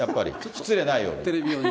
失礼ないように。